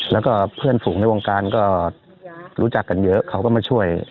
แล้วก็เพื่อนฝูงในวงการก็รู้จักกันเยอะเขาก็มาช่วย